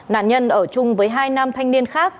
nạn nhân ở chung với hai nam thanh niên khác